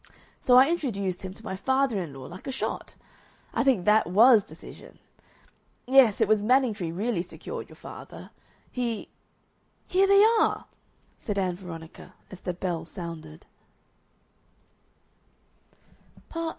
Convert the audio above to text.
So I introduced him to my father in law like a shot. I think that WAS decision. Yes, it was Manningtree really secured your father. He " "Here they are!" said Ann Veronica as the bell sounded.